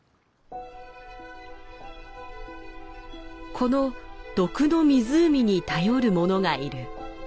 この「毒の湖」に頼るものがいる。